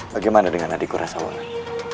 bagaimana dengan adikku rashaulan